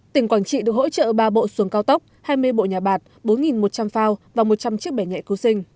tỉnh quảng trị được hỗ trợ ba bộ xuồng cao tốc hai mươi bộ nhà bạc bốn một trăm linh phao và một trăm linh chiếc bẻ nhẹ cứu sinh